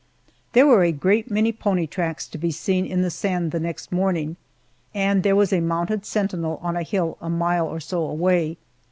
There were a great many pony tracks to be seen in the sand the next morning, and there was a mounted sentinel on a hill a mile or so away.